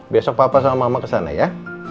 besok papa sama mama ke sana ya